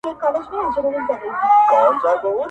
منتظر مي د هغه نسیم رویبار یم -